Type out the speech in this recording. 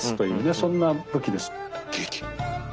そんな武器です。